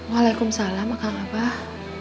waalaikumsalam akang abah